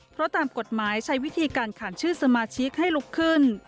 เพราะตามกฎหมายใช้วิธีการขานชื่อสมาชิกให้ลุกขึ้น